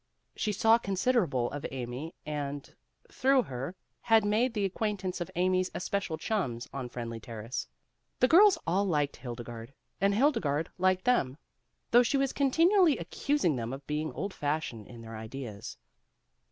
She saw considerable of Amy and, through her, had made the acquaintance of Amy's especial chums on Friendly Terrace. The girls all liked Hildegarde, and Hildegarde liked them, though she was continually accusing them of being old fashioned in their ideas.